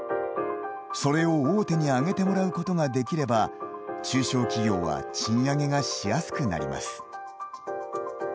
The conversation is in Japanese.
それを大手に上げてもらうことができれば中小企業は賃上げがしやすくなります。